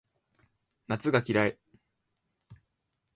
夏が嫌い